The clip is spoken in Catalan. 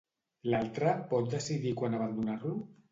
L'altre pot decidir quan abandonar-lo?